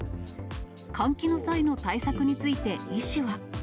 換気の際の対策について医師は。